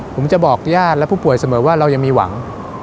ผมจะบอกญาติและผู้ป่วยเสมอว่าเรายังมีหวัง